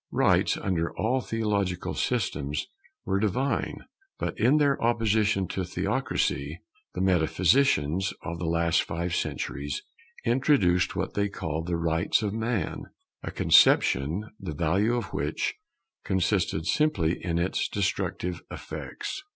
Rights, under all theological systems, were divine; but in their opposition to theocracy, the metaphysicians of the last five centuries introduced what they called the rights of Man; a conception, the value of which consisted simply in its destructive effects.